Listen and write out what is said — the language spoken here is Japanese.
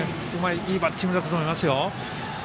いいバッティングだったと思いますよ。